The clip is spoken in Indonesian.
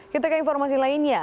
kita ke informasi lainnya